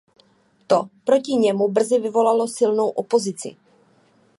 To proti němu brzy vyvolalo silnou opozici.